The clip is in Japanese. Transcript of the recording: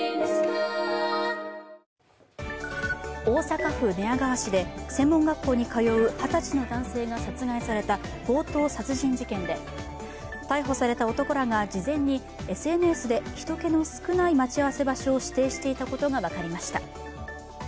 大阪府寝屋川市で専門学校に通う二十歳の男性が殺害された強盗殺人事件で逮捕された男らが事前に、ＳＮＳで人けの少ない待ち合わせ場所を指定していたことが分かりました。